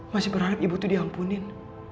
masih berharap ibu tuh diampunin